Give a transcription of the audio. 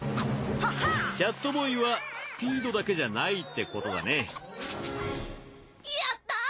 キャットボーイはスピードだけじゃないってことだねやった！